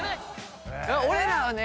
俺らはね